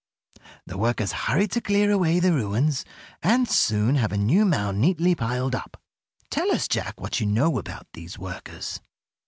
The workers hurry to clear away the ruins, and soon have a new mound neatly piled up. Tell us, Jack, what you know about these workers."